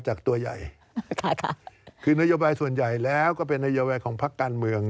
จากตัวใหญ่คือนโยบายส่วนใหญ่แล้วก็เป็นนโยบายของพักการเมือง